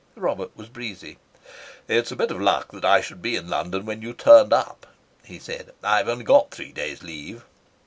Robert was breezy. "It's a bit of luck that I should be in London when you turned up," he said. "I've only got three days' leave."